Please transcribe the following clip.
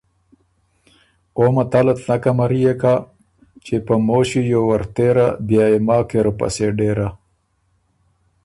او متلت نک امريېک هۀ ”چې په مو ݭی یوور تېرا بیا يې ما کې روپسې ډېرا“